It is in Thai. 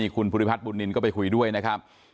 คุณภูริพัฒนบุญนินก็ไปคุยด้วยนะครับ